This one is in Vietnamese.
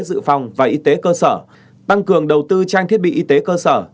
dự phòng và y tế cơ sở tăng cường đầu tư trang thiết bị y tế cơ sở